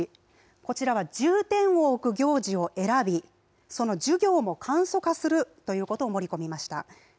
こちらは、重点を置く行事を選び、その授業も簡素化するということを盛り込みました。